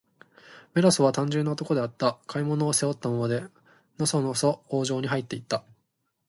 メロスは、単純な男であった。買い物を、背負ったままで、のそのそ王城にはいって行った。